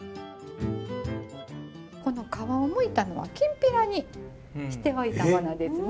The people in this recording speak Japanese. この皮をむいたのはきんぴらにしておいたものですね。